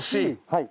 はい。